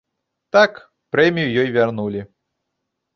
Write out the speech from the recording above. Так, прэмію ёй вярнулі.